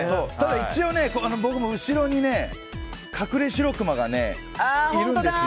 一応、僕も後ろに隠れシロクマがいるんですよ。